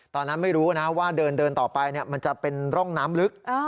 ตอนนั้นไม่รู้นะว่าเดินต่อไปมันจะเป็นร่องน้ำลึก